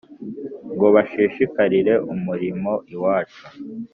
Ngo bashishikarire umurimo iwacu